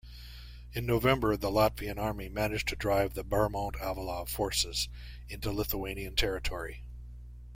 In November the Latvian army managed to drive the Bermont-Avalov forces into Lithuanian territory.